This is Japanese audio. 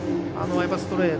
ストレート